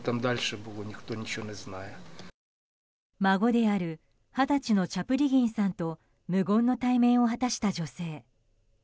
孫である二十歳のチャプリギンさんと無言の対面を果たした女性。